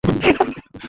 তোমরা কেন এসেছো?